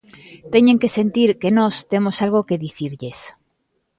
Teñen que sentir que nós temos algo que dicirlles.